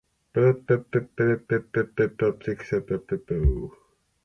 The European version is copy protected.